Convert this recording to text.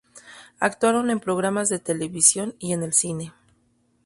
Actuaron en programas de televisión y en el cine.